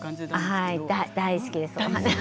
はい、大好きです。